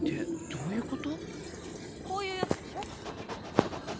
こういうやつでしょ？